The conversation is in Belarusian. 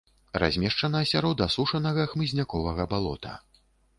Размешчана сярод асушанага хмызняковага балота.